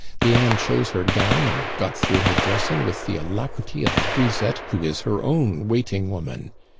Diane chose her gown and got through her dressing with the alacrity of a grisette who is her own waiting woman.